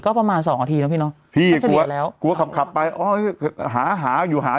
ก็ประมาณ๒นาทีนะพี่น้องพี่กลัวขับไปหาอยู่หา